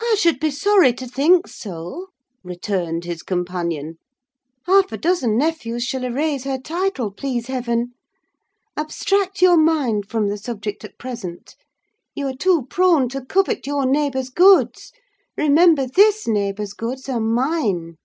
"I should be sorry to think so," returned his companion. "Half a dozen nephews shall erase her title, please heaven! Abstract your mind from the subject at present: you are too prone to covet your neighbour's goods; remember this neighbour's goods are mine."